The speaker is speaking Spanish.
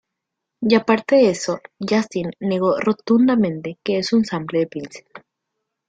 Y aparte de eso, Justin negó rotundamente que es un sample de Prince.